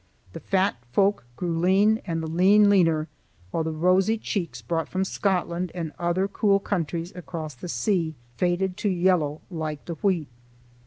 The fat folk grew lean and the lean leaner, while the rosy cheeks brought from Scotland and other cool countries across the sea faded to yellow like the wheat.